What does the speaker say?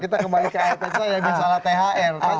kita kembali ke artc yang misalnya thl